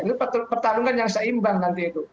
ini pertarungan yang seimbang nanti itu